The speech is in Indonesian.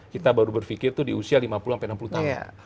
kita baru berpikir itu di usia lima puluh sampai enam puluh tahun